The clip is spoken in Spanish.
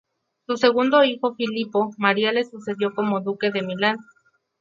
Su segundo hijo Filippo María le sucedió como duque de Milán.